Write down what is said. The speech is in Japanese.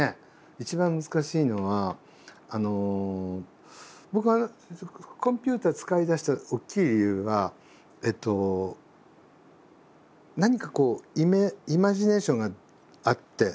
一番難しいのは僕がコンピューター使いだした大きい理由は何かこうイマジネーションがあって一つ浮かんだ。